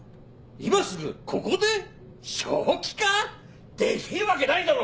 今すぐここで⁉正気か⁉できるわけないだろう！